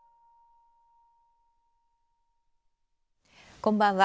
こんばんは。